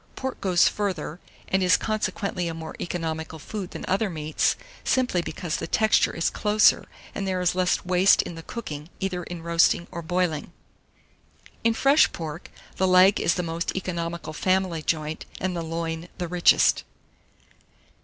Pork goes further, and is consequently a more economical food than other meats, simply because the texture is closer, and there is less waste in the cooking, either in roasting or boiling. 792. IN FRESH PORK, the leg is the most economical family joint, and the loin the richest.